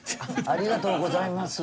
ありがとうございます。